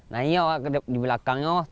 nanya di belakangnya